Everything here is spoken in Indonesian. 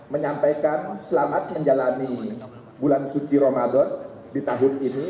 menyampaikan selamat menjalani bulan suci ramadan di tahun ini